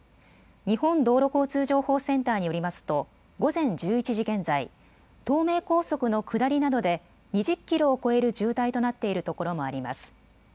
日本道路交通情報センターによりますと午前１１時現在、東名高速の下りなどで２０キロを超える渋滞となっている所もあります。